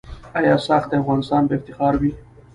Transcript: آیا "ساخت افغانستان" به افتخار وي؟